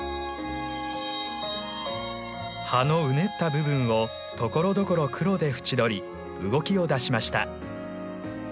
葉のうねった部分をところどころ黒で縁取り動きを出しました。